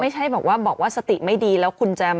ไม่ใช่บอกว่าสติไม่ดีแล้วคุณจะ